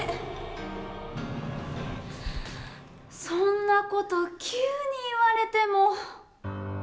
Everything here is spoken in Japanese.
そんなこと急に言われても。